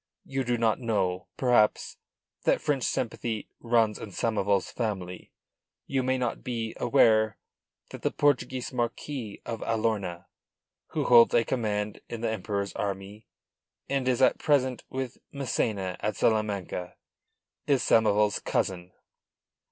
You do not know, perhaps, that French sympathy runs in Samoval's family. You may not be aware that the Portuguese Marquis of Alorna, who holds a command in the Emperor's army, and is at present with Massena at Salamanca, is Samoval's cousin."